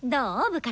部活。